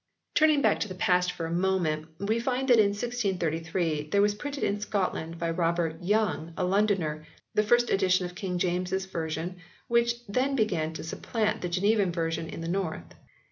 VI Turning back to the past for a moment we find that in 1633 there was printed in Scotland by Robert Young, a Londoner, the first edition of King James s version which then began to supplant the Genevan version in the north.